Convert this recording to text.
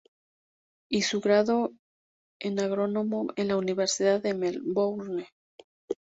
Y su grado en agrónomo en la Universidad de Melbourne.